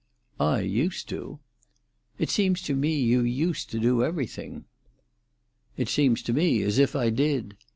"I used to." "It seems to me you used to do everything." "It seems to me as if I did."